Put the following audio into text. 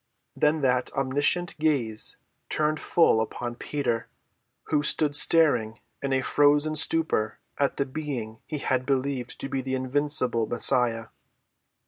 Then that omniscient gaze turned full upon Peter, who stood staring in a frozen stupor at the being he had believed to be the invincible Messiah.